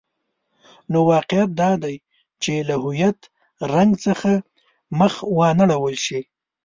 نو واقعیت دادی چې له هویت رنګ څخه مخ وانه ړول شي.